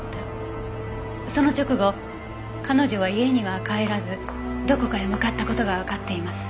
その直後彼女は家には帰らずどこかへ向かった事がわかっています。